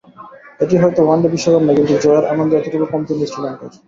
এটি হয়তো ওয়ানডে বিশ্বকাপ নয়, কিন্তু জয়ের আনন্দে এতটুকু কমতি নেই শ্রীলঙ্কার।